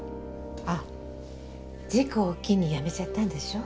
あ事故を機に辞めちゃったんでしょ。